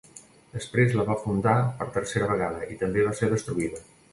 Després la va fundar per tercera vegada i també va ser destruïda.